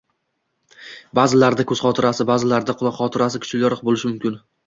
Ba’zilarda ko‘z xotirasi, ba’zilarda quloq xotirasi kuchliroq bo‘lishi mumkin.